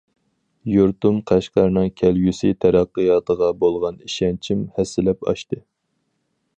يۇرتۇم قەشقەرنىڭ كەلگۈسى تەرەققىياتىغا بولغان ئىشەنچىم ھەسسىلەپ ئاشتى.